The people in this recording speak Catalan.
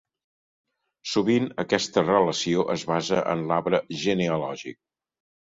Sovint aquesta relació es basa en l'arbre genealògic.